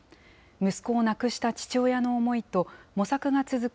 息子を亡くした父親の思いと、模索が続く